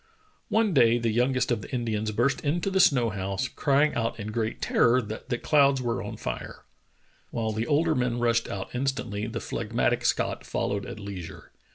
One day the youngest of the Indians burst into the snow house, crying out in great terror that the clouds were on fire. While the older men rushed out instantly, Dr. Rae and the Franklin Mystery 145 the phlegmatic Scot followed at leisure.